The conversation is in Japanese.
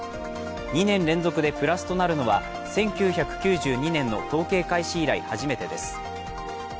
２年連続でプラスとなるのは１９９２年の統計開始以来、初めてです。